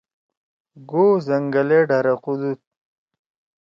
گو زنگلے ڈھرَقُودُود۔